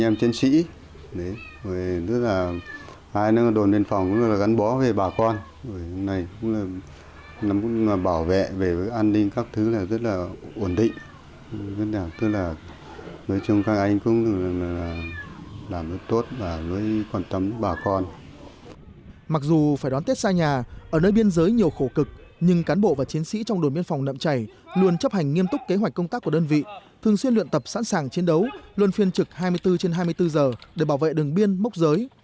mặc dù phải đón tết xa nhà ở nơi biên giới nhiều khổ cực nhưng cán bộ và chiến sĩ trong đồn biên phòng nậm chảy luôn chấp hành nghiêm túc kế hoạch công tác của đơn vị thường xuyên luyện tập sẵn sàng chiến đấu luôn phiên trực hai mươi bốn trên hai mươi bốn giờ để bảo vệ đường biên mốc giới